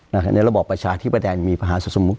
ในระบบประชาธิบดันมีภาษาสมมุติ